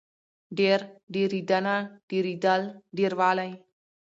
ډېر، ډېرېدنه، ډېرېدل، ډېروالی